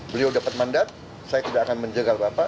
beliau dapat mandat saya tidak akan menjegal bapak